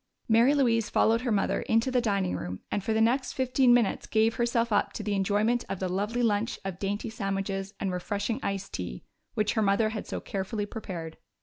Mary Louise followed her mother into the dining room and for the next fifteen minutes gave herself up to the enjoyment of the lovely lunch of dainty sandwiches and refreshing iced tea which her mother had so carefully prepared.